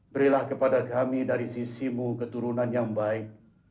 berilah kepada kami dari sisimu keturunan yang baik